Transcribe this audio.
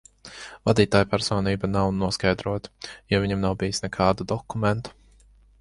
Vadītāja personība nav noskaidrota, jo viņam nav bijis nekādu dokumentu.